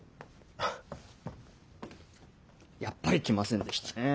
やっぱり来ませんでしたね。